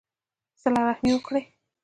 صلہ رحمي وکړئ